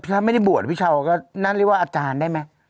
ถ้าไม่ได้บวชพี่เช้าก็นั่นเรียกว่าอาจารย์ได้ไหม